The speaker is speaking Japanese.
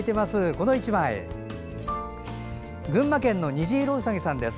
この１枚群馬県の虹色うさぎさんです。